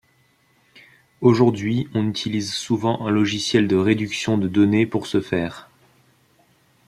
Aujourd'hui, on utilise souvent un logiciel de réduction de données pour ce faire.